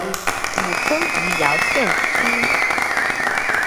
母封余姚县君。